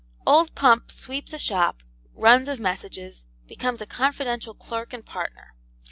Old Pump sweeps a shop, runs of messages, becomes a confidential clerk and partner.